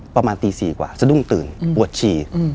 ประมาณตี๔กว่าสะดุ้งตื่นปวดฉี่